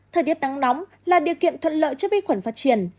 thời tiết nắng nóng là điều kiện thuận lợi cho vi khuẩn phát triển